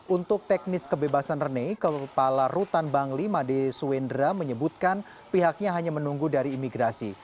untuk teknis kebebasan rene kepala rutan bangli made suendra menyebutkan pihaknya hanya menunggu dari imigrasi